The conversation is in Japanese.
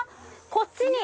こっちに！